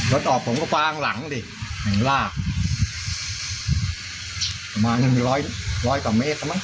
รถออกผมก็วางหลังดิแห่งลากประมาณร้อยกว่าเมตรน่ะมั้ง